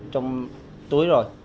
trong túi rồi